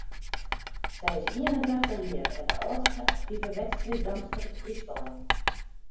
Sy is ien en tachtich jier en de âldste aktive wedstriiddamster yn Fryslân.